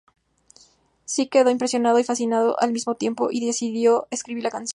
Sting quedó impresionado y fascinado al mismo tiempo y decidió escribir la canción.